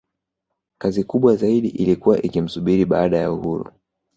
Kazi kubwa zaidi ilikuwa ikimsubiri baada ya uhuru